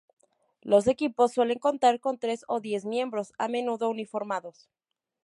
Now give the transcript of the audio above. Los equipos suelen contar con tres a diez miembros, a menudo uniformados.